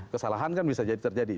kesalahan kan bisa jadi terjadi